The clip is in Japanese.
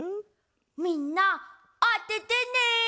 みんなあててね！